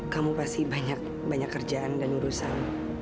kamu pasti banyak kerjaan dan urusan